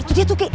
itu dia tuh kiki